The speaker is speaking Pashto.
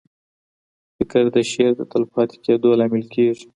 فکر د شعر د تلپاتې کېدو لامل کېږي.